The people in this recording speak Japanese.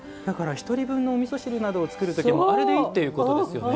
１人分のおみそ汁などを作るときもあれでいいということですよね。